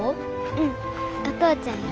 うんお父ちゃんや。